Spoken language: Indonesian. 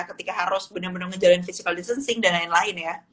ketika harus bener bener ngejalanin physical distancing dan lain lain ya